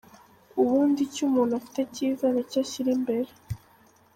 Ubundi icyo umuntu afite cyiza nicyo ashyira imbere.